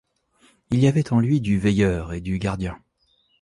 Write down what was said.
Il y avait en lui du veilleur et du gardien.